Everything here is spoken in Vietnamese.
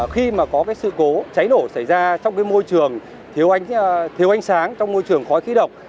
khi mà có cái sự cố cháy nổ xảy ra trong môi trường thiếu ánh sáng trong môi trường khói khí độc